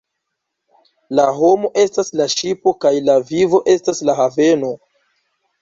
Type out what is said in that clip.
La homo estas la ŝipo kaj la vivo estas la haveno.